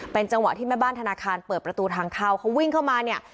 จังหวะที่แม่บ้านธนาคารเปิดประตูทางเข้าเขาวิ่งเข้ามาเนี่ย